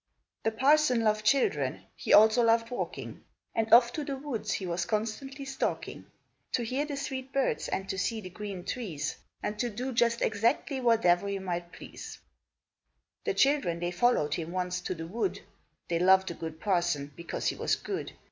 The parson loved children; he also loved walking, And off to the woods he was constantly stalking. To hear the sweet birds, and to see the green trees, And to do just exactly whate'er he might please. The children they followed him once to the wood,— (They loved the good parson, because he was good!)